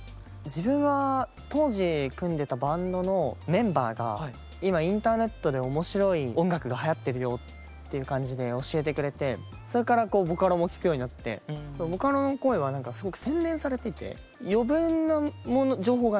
自分は当時組んでたバンドのメンバーが今インターネットで面白い音楽がはやってるよっていう感じで教えてくれてそれからこうボカロも聴くようになって天月−あまつき−さんいかがですか？